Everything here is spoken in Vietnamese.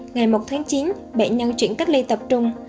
ngày một tháng chín bệnh nhân chuyển cách ly tập trung